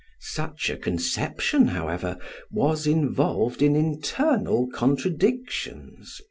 Such a conception, however, was involved in internal contradictions.